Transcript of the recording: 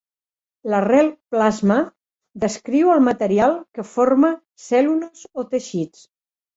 L'arrel "-plasma" descriu el material que forma cèl·lules o teixits.